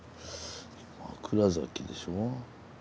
枕崎でしょ。